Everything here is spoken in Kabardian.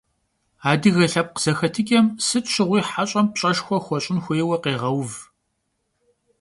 Adıge lhepkh zexetıç'em, sıt şığui heş'em pş'eşşxue xueş'ın xuêyue khêğeuv.